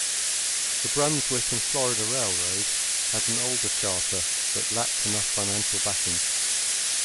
The Brunswick and Florida Railroad had an older charter, but lacked enough financial backing.